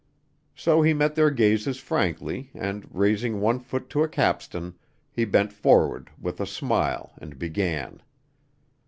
So he met their gaze frankly and, raising one foot to a capstan, he bent forward with a smile and began.